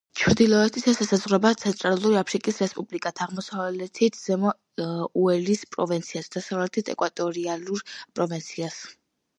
ჩრდილოეთით ის ესაზღვრება ცენტრალური აფრიკის რესპუბლიკას, აღმოსავლეთით ზემო უელეს პროვინციას, დასავლეთით ეკვატორიალურ პროვინციას.